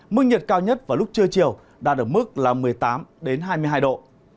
mức nhiệt cao nhất vào lúc trưa chiều đã được mức là một mươi tám hai mươi hai độ